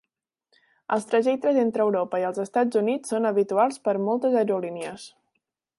Els trajectes entre Europa i els Estats Units són habituals per moltes aerolínies